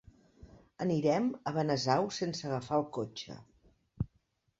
Anirem a Benasau sense agafar el cotxe.